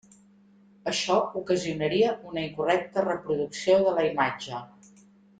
Això ocasionaria una incorrecta reproducció de la imatge.